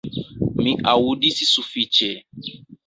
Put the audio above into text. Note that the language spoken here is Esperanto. Mi aŭdis sufiĉe.